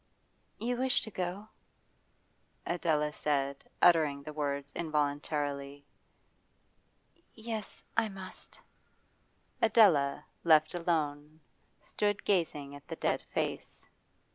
'You wish to go?' Adela said, uttering the words involuntarily. 'Yes, I must.' Adela, left alone, stood gazing at the dead face.